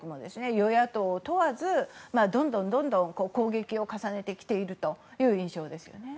与野党問わずどんどん攻撃を重ねてきているという印象ですよね。